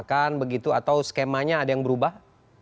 kan begitu atau skemanya ada yang berubah